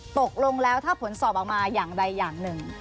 ตกลงแล้วถ้าผลสอบออกมาอย่างใดอย่างหนึ่ง